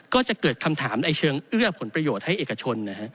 ก็จะเกิดคำถามในเชิงเอื้อผลประโยชน์ให้เอกชน